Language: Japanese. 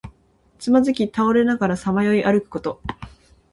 つまずき倒れながらさまよい歩くこと。